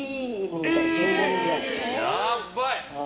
やばい。